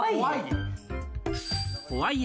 ホワイエ？